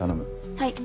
はい。